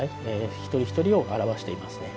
一人一人を表していますね。